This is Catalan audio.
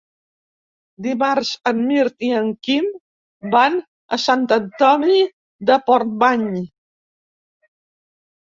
Dimarts en Mirt i en Quim van a Sant Antoni de Portmany.